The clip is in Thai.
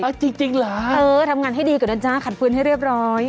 เอาจริงเหรอเออทำงานให้ดีกว่านะจ๊ะขัดฟื้นให้เรียบร้อย